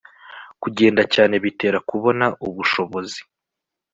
kugenda cyane bitera kubona ubushobozi